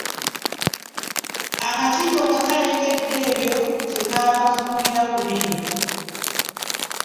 Akakiiko nga kalengedde ebyo kye kaava kakubira ku bino: